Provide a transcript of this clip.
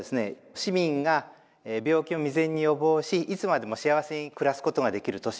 市民が病気を未然に予防しいつまでも幸せに暮らすことができる都市。